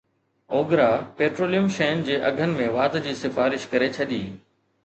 OGRA petroleum شين جي اگهن ۾ واڌ جي سفارش ڪري ڇڏي